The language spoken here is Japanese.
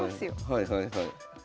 はいはいはい。